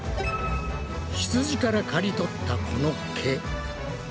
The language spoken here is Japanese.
ひつじからかり取ったこの毛。